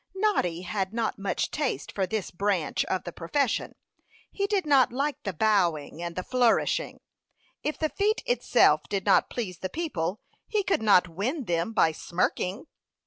Noddy had not much taste for this branch of the profession. He did not like the bowing and the flourishing. If the feat itself did not please the people, he could not win them by smirking.